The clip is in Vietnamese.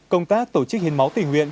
công tác tổ chức hiến máu tình nguyện